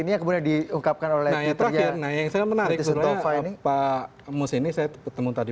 ini kemudian diungkapkan oleh yang terakhir nah yang sangat menarik pak mus ini saya ketemu tadi